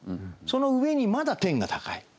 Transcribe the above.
その上にまだ天が高い。